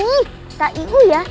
ih tak ibu ya